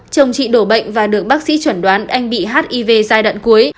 chồng chị đổ bệnh và được bác sĩ chuẩn đoán anh bị hiv giai đoạn cuối